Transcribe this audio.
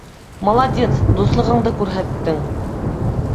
Молодец, дуҫлығыңды күрһәттең.